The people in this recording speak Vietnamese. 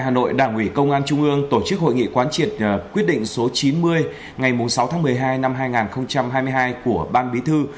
hà nội đảng ủy công an trung ương tổ chức hội nghị quán triệt quyết định số chín mươi ngày sáu tháng một mươi hai năm hai nghìn hai mươi hai của ban bí thư